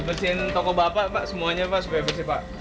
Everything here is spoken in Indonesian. bersihin toko bapak pak semuanya pak supaya bersih pak